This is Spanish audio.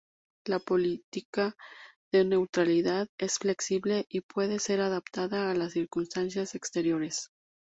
La política de neutralidad es flexible y puede ser adaptada a las circunstancias exteriores.